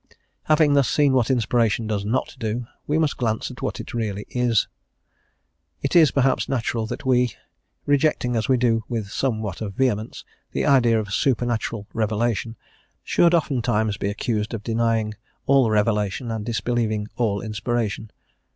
Having thus seen what inspiration does not do, we must glance at what it really is. It is, perhaps, natural that we, rejecting, as we do, with somewhat of vehemence, the idea of supernatural revelation, should oftentimes be accused of denying all revelation and disbelieving all inspiration.